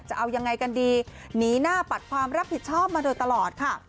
จะเอายังไงกันดีหนีหน้าปัดความรับผิดชอบมาโดยตลอดค่ะ